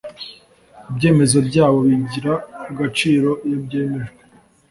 ibyemezo byayo bigira agaciro iyo byemejwe